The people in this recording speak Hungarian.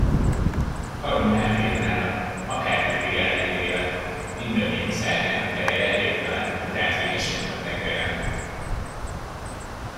Karomon elbírnálak, akármeddig elvinnélek, mindannyiunk szárnyának ereje elég talán, hogy átvihessünk a tengeren.